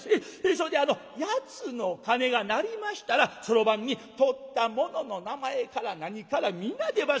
それであの八つの鐘が鳴りましたらそろばんに盗った者の名前から何から皆出ます。